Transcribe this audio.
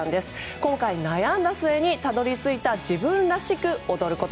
今回、悩んだ末にたどり着いた自分らしく踊ること。